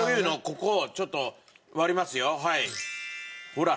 ほら。